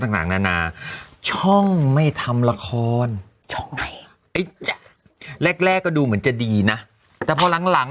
ต่างนานาช่องไม่ทำละครแรกก็ดูเหมือนจะดีนะแต่พอหลัง